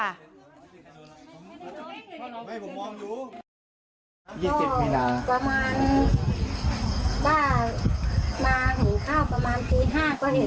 แล้วครับครับประมาณประมาณตีห้า